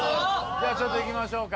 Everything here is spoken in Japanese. じゃあちょっといきましょうか